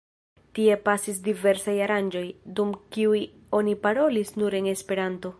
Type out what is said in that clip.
Tie pasis diversaj aranĝoj, dum kiuj oni parolis nur en Esperanto.